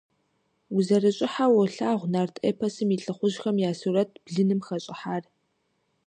УзэрыщӀыхьэу уолъагъу нарт эпосым и лӀыхъужьхэм я сурэт блыным хэщӀыхьар.